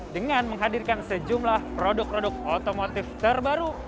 dengan menghadirkan sejumlah produk produk otomotif terbaru